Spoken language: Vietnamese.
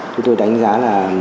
chúng tôi đánh giá là